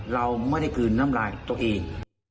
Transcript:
เราไม่ได้กลืนน้ำลายตัวเอง